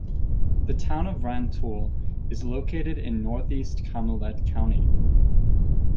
The Town of Rantoul is located in northeastern Calumet County.